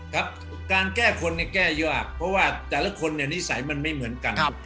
ครับการแก้คนเนี่ยแก้ยากเพราะว่าแต่ละคนเนี่ยนิสัยมันไม่เหมือนกัน